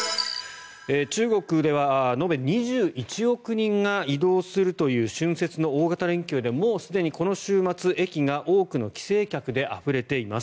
中国では延べ２１億人が移動するという春節の大型連休でもうすでにこの週末、駅が多くの帰省客であふれています。